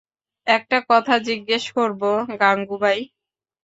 একটা কথা জিজ্ঞেস করবো গাঙুবাই?